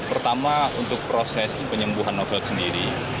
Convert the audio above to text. pertama untuk proses penyembuhan novel sendiri